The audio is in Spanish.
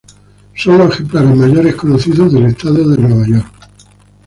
Son los ejemplares mayores conocidos del estado de Nueva York.